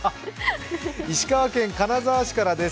石川県金沢市からです。